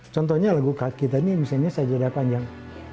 contohnya lagu kita ini misalnya sajadah panjang